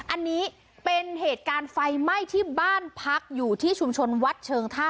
อันนี้เป็นเหตุการณ์ไฟไหม้ที่บ้านพักอยู่ที่ชุมชนวัดเชิงท่า